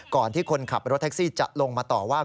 ก่อนที่คนขับรถแท็กซี่จะลงมาต่อว่า